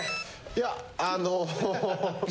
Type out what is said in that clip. いやあの。